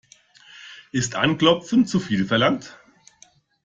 Ist Anklopfen zu viel verlangt?